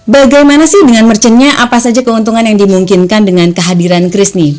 bagaimana sih dengan merchannya apa saja keuntungan yang dimungkinkan dengan kehadiran chris nih